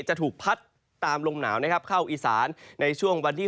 จะถูกพัดตามลมหนาวนะครับเข้าอีสานในช่วงวันที่๒